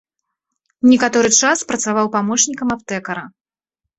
Некаторы час працаваў памочнікам аптэкара.